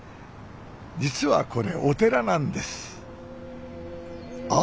実はこれお寺なんですあっ